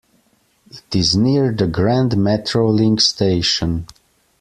It is near the Grand MetroLink station.